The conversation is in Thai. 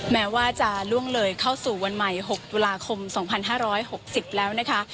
แม้ว่าจะล่วงเลยเข้าสู่วันใหม่๖ตุลาคม๒๕๖๐แล้วนะคะ